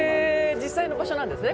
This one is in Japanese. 実際の場所なんですね